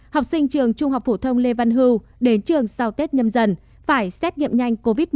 học sinh trường trung học phổ thông lê văn hưu đến trường sau tết nhâm dần phải xét nghiệm nhanh covid một mươi chín